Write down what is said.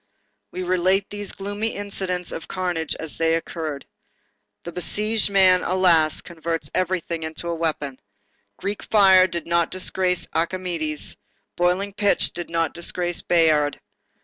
We relate these gloomy incidents of carnage as they occurred. The besieged man, alas! converts everything into a weapon. Greek fire did not disgrace Archimedes, boiling pitch did not disgrace Bayard.